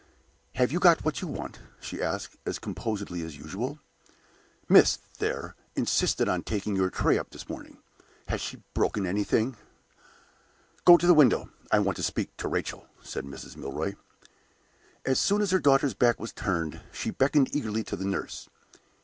"Have you got what you want?" she asked, as composedly as usual. "Miss, there, insisted on taking your tray up this morning. Has she broken anything?" "Go to the window. I want to speak to Rachel," said Mrs. Milroy. As soon as her daughter's back was turned, she beckoned eagerly to the nurse.